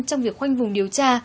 trong việc khoanh vùng điều tra